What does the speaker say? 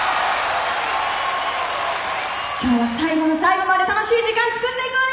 今日は最後の最後まで楽しい時間つくっていこうね。